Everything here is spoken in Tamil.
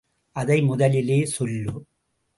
அதை முதலிலே சொல்லு.